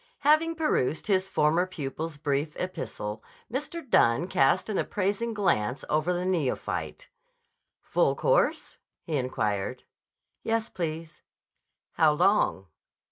Having perused his former pupil's brief epistle, Mr. Dunne cast an appraising glance over the neophyte. "Full course?" he inquired. "Yes, please." "How long?"